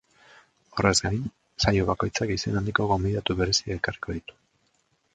Horrez gain, saio bakoitzak izen handiko gonbidatu bereziak ekarriko ditu.